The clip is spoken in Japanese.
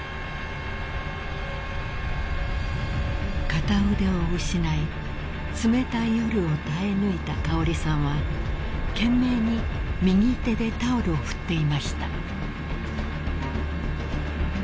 ［片腕を失い冷たい夜を耐え抜いた香織さんは懸命に右手でタオルを振っていました］